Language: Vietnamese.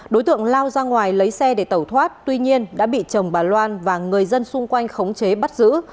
đối tượng lao ra ngoài lấy xe để tẩu thoát tuy nhiên đã bị chồng bà loan và người dân xung quanh khống chế bắt giữ